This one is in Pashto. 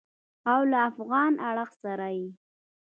او له افغان اړخ سره یې